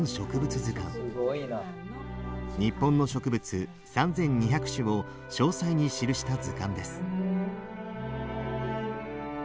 日本の植物３，２００種を詳細に記した図鑑です。